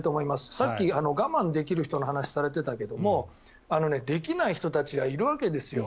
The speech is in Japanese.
さっき、我慢できる人の話をされてたけどもできない人たちがいるわけです。